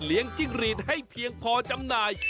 เลี้ยงจิ้งหรีดให้เพียงพอจำหน่าย